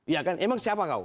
ya kan emang siapa kau